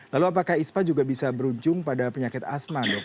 lalu apakah ispa juga bisa berujung pada penyakit asma dok